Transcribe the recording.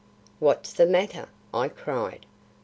"What's the matter?" I cried.